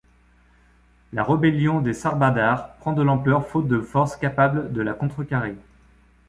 La rébellion des Sarbadârs prend de l’ampleur faute de forces capables de la contrecarrer.